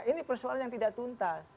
ini persoalan yang tidak tuntas